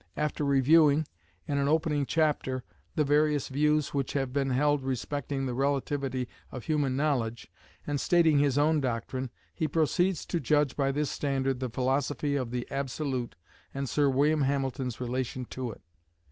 After reviewing, in an opening chapter, the various views which have been held respecting the relativity of human knowledge, and stating his own doctrine, he proceeds to judge by this standard the philosophy of the absolute and Sir William Hamilton's relation to it.